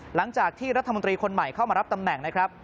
หลังจากที่รัฐมนตรีคนใหม่เข้ามารับตำแหน่งนะครับ